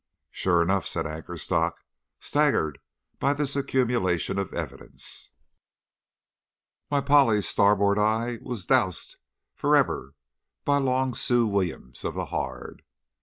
'Sure enough,' said Anchorstock, staggered by this accumulation of evidence, 'my Polly's starboard eye was doused for ever by long Sue Williams of the Hard.